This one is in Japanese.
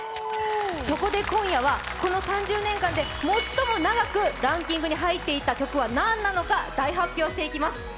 そこで今夜はこの３０年間で最も長くランキングに入っていた曲は何なのか、大発表していきます。